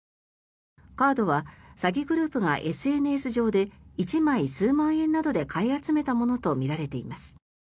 カードは詐欺グループがＳＮＳ上で１枚数万円などで買い集めたものとみられています。